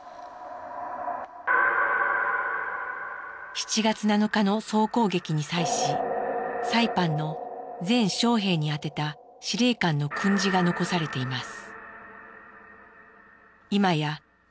７月７日の総攻撃に際しサイパンの全将兵に宛てた司令官の訓示が残されています。